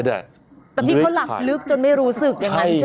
แต่พี่เขาหลับลึกจนไม่รู้สึกอย่างนั้นใช่ไหม